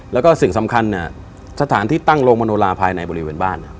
แล้วก็สิ่งสำคัญเนี่ยสถานที่ตั้งโรงมโนลาภายในบริเวณบ้าน